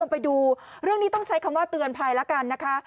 ไปดูเรื่องนี้ต้องใช้คำว่าเตือนภัยแล้วกันนะคะ